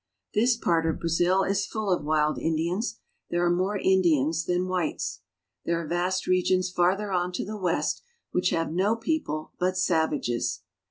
This part of Brazil is full of wild Indians; there are more Indians than whites. There are vast regions farther on to the west which have no people but savages.